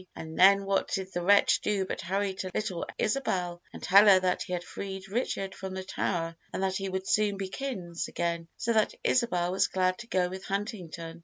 "And then what did the wretch do but hurry to little Isabel, and tell her that he had freed Richard from the Tower, and that he would soon be kins: again; so that Isabel was glad to go with Huntington.